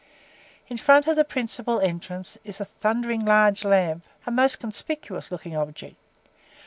In front of the principal entrance is a thundering large lamp, a most conspicuous looking object.